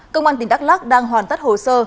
công an tỉnh đắk lắc đang hoàn tất hồ sơ